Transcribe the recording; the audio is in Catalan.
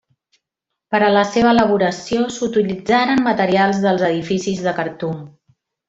Per a la seva elaboració s'utilitzaren materials dels edificis de Khartum.